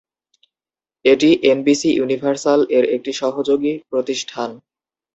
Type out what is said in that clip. এটি এনবিসি ইউনিভার্সাল-এর একটি সহযোগী প্রতিষ্ঠান।